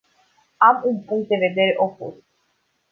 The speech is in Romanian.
Am un punct de vedere opus.